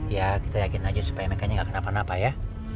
ya kita yakin aja supaya merekanya nggak kenapa napa ya